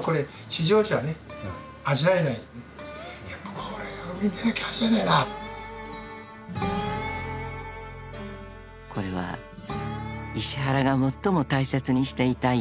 ［これは石原が最も大切にしていた１枚］